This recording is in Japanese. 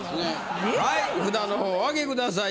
はい札のほうおあげください。